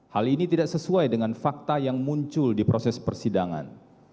hal ini tidak sesuai dengan fakta yang muncul di proses persidangan